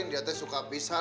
niatnya suka pisah